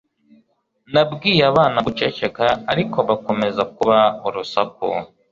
Nabwiye abana guceceka ariko bakomeza kuba urusaku